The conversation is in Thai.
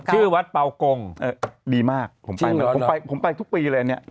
ชื่อวัดเปาโกงเออดีมากผมไปจริงเหรอผมไปผมไปทุกปีเลยอันนี้